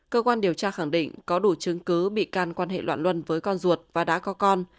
cơ quan điều tra khẳng định có đủ chứng cứ bị can quan hệ loạn luân với con ruột và đã có con